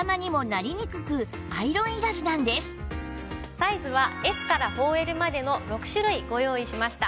サイズはＳから４Ｌまでの６種類ご用意しました。